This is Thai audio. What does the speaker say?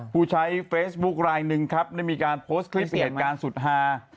ผู้ใช้เฟซบุ๊คลายหนึ่งครับได้มีการโพสต์คลิปเหตุการณ์สุดฮา